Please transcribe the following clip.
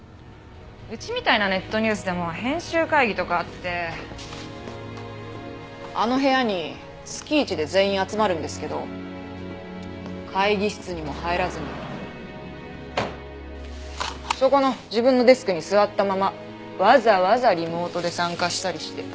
うちみたいなネットニュースでも編集会議とかあってあの部屋に月１で全員集まるんですけど会議室にも入らずにそこの自分のデスクに座ったままわざわざリモートで参加したりして。